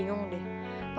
tapi gue gak bisa mencoba